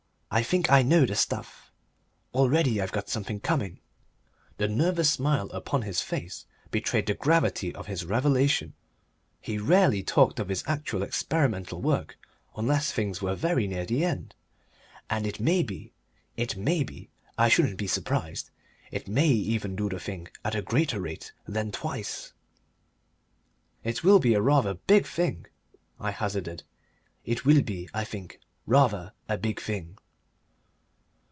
"I think I know the stuff.... Already I've got something coming." The nervous smile upon his face betrayed the gravity of his revelation. He rarely talked of his actual experimental work unless things were very near the end. "And it may be, it may be I shouldn't be surprised it may even do the thing at a greater rate than twice." "It will be rather a big thing," I hazarded. "It will be, I think, rather a big thing."